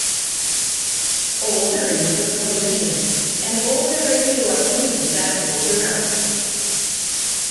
All the rings of pollution, and all the radioactivity that goes around.